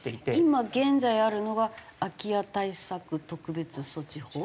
今現在あるのが空家対策特別措置法。